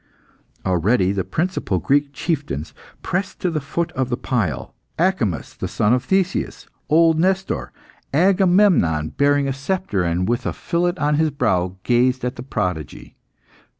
Already the principal Greek chieftains pressed to the foot of the pile. Acamas, the son of Theseus, old Nestor, Agamemnon, bearing a sceptre and with a fillet on his brow, gazed at the prodigy.